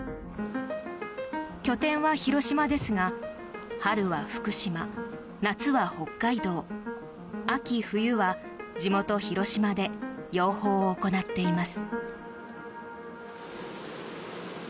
拠点は広島ですが春は福島、夏は北海道秋冬は地元・広島で養蜂を行っています。